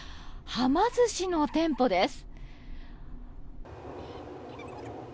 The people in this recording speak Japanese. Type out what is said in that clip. はま寿司の店舗です。